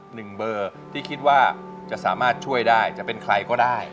หนึ่งเบอร์ที่คิดว่าจะสามารถช่วยได้จะเป็นใครก็ได้